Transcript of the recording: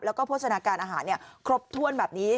แล้วก็โภชนาการอาหารครบถ้วนแบบนี้